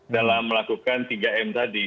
dalam melakukan tiga m tadi